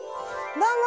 どうも！